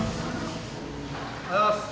おはようございます。